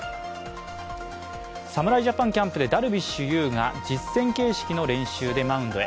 侍ジャパンキャンプでダルビッシュ有が実践形式の練習でマウンドへ。